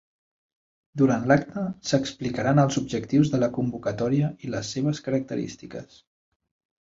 Durant l'acte s'explicaran els objectius de la convocatòria i les seves característiques.